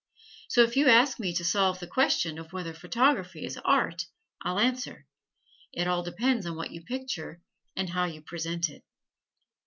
So, if you ask me to solve the question of whether photography is art, I'll answer: it all depends upon what you picture, and how you present it.